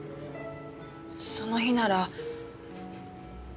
その日なら。